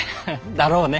だろうね！